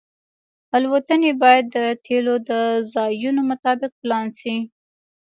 الوتنې باید د تیلو د ځایونو مطابق پلان شي